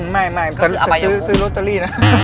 ไม่มีใครจะซื้อลูโตตาลีนะ